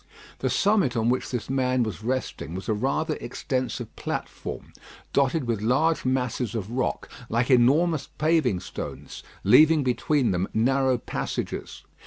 The summit on which this man was resting was a rather extensive platform, dotted with large masses of rock, like enormous paving stones, leaving between them narrow passages.